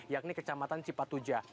yakni kecamatan cipatuja